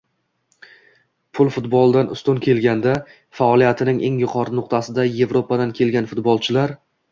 Pul futboldan ustun kelganda. Faoliyatining eng yuqori nuqtasida Yevropadan ketgan futbolchilar